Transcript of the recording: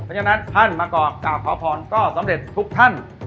เพราะฉะนั้นท่านมากราบขอพรก็สำเร็จทุกท่าน